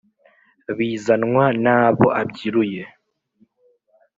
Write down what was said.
bizanwa n’abo abyiruye